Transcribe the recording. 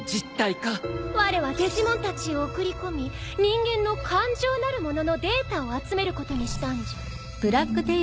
われはデジモンたちを送り込み人間の感情なるもののデータを集めることにしたんじゃ。